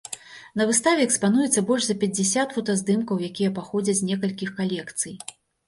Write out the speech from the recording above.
На выставе экспануецца больш за пяцьдзясят фотаздымкаў, якія паходзяць з некалькіх калекцый.